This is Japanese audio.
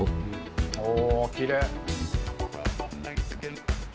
おおきれい。